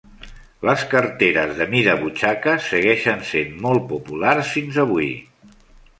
Les carteres de mida butxaca segueixen sent molt populars fins avui.